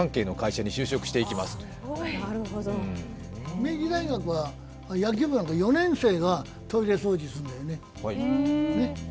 明治大学は野球部なんか４年生がトイレ掃除するんだよね。